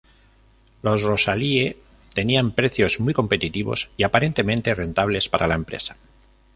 Los Rosalie tenían precios muy competitivos y aparentemente rentables para la empresa.